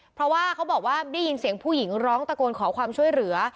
เพราะว่าเขาบอกว่าได้ยินเสียงผู้หญิงร้องตะโกนขอความช่วยเหลือ